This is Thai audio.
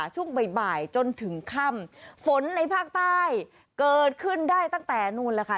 ช่วงบ่ายจนถึงค่ำฝนในภาคใต้เกิดขึ้นได้ตั้งแต่นู่นแหละค่ะ